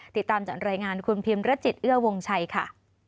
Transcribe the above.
ติดตามจากรายงานคุณพิมรจิตเอื้อวงชัยค่ะ